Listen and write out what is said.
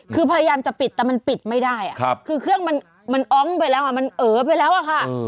คือพยายามจะปิดแต่มันปิดไม่ได้คือเครื่องมันอ้องไปแล้วมันเอ๋อไปแล้วอะค่ะ